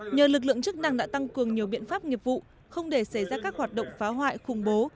nhờ lực lượng chức năng đã tăng cường nhiều biện pháp nghiệp vụ không để xảy ra các hoạt động phá hoại khủng bố